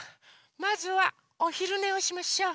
まずはおひるねをしましょう！